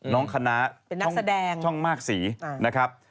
น้องคณะเป็นนักแสดงช่องมากสีนะครับ